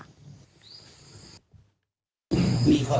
นอนที่กุฏิค่ะ